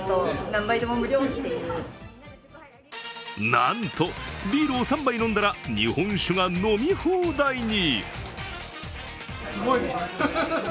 なんとビールを３杯飲んだら日本酒が飲み放題に。